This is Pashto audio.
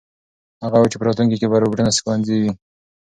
هغه وویل چې په راتلونکي کې به روبوټونه ښوونکي وي.